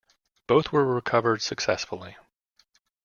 Both were recovered successfully.